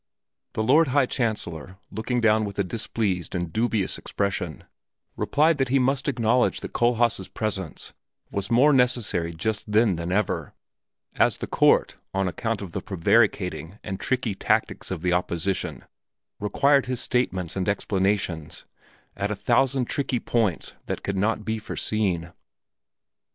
The Lord High Chancellor, looking down with a displeased and dubious expression, replied that he must acknowledge that Kohlhaas' presence was more necessary just then than ever, as the court, on account of the prevaricating and tricky tactics of the opposition, required his statements and explanations at a thousand points that could not be foreseen.